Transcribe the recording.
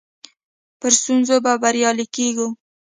پر ستونزو به بريالي کيږو.